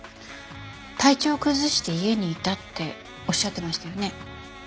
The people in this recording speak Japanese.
体調を崩して家にいたっておっしゃってましたよね。